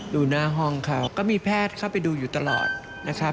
ดูหน้าห้องเขาก็มีแพทย์เข้าไปดูอยู่ตลอดนะครับ